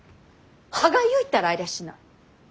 歯がゆいったらありゃしない。